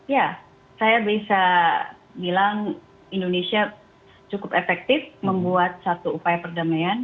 ya saya bisa bilang indonesia cukup efektif membuat satu upaya perdamaian